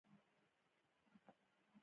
لکه په طب کښې چې جراحي عمليات له ناچارۍ کېږي.